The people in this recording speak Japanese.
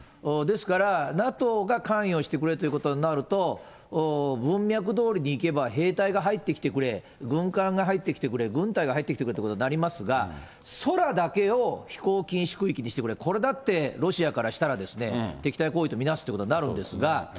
ですから、ＮＡＴＯが関与してくれということになると、文脈どおりにいけば、兵隊が入ってきてくれ、軍艦が入ってきてくれ、軍隊が入ってきてくれということになりますが、空だけを飛行禁止区域にしてくれ、これだって、ロシアからしたら、敵対行為とみなすということになるんですが、